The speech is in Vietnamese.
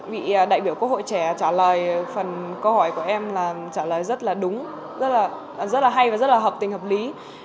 vị đại biểu quốc hội trẻ trả lời phần câu hỏi của em là trả lời rất là đúng rất là hay và rất là hợp tình hợp lý